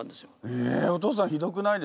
えお父さんひどくないですか。